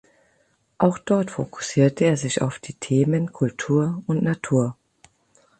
Auch dort fokussierte er sich auf die Themen Kultur und Natur.